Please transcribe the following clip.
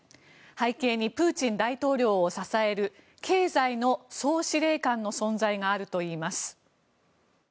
背景にプーチン大統領を支える経済の総司令官の存在があるといいます。